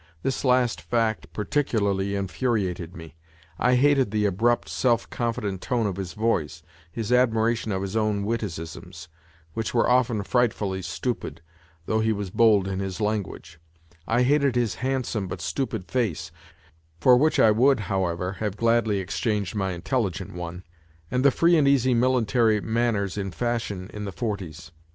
This last fact par ticularly infuriated me. I hated the abrupt self confident tone of his voice, his admiration of his own witticisms, which were often frightfully stupid, though he was bold in his language; I hated his handsome, but stupid face (for which I would, however, have gladly exchanged my intelligent one), and the free and easy military manners in fashion in the " 'forties."